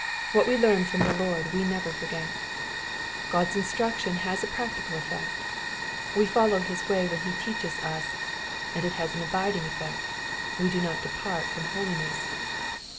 What we learn from the Lord we never forget. God's 'instruction has a practical effect, — we follow his way when he teaches us ; and it has an abiding effect, — we do not depart from holiness.